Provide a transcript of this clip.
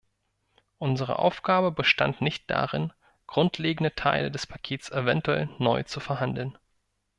Unsere Aufgabe bestand nicht darin, grundlegende Teile des Pakets eventuell neu zu verhandeln.